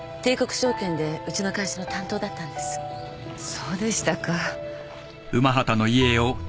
そうでしたか。